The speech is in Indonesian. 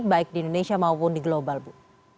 baik di indonesia maupun di global bu